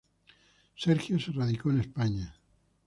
Sergio se radicó en España.